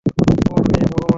ওহ, হে ভগবান।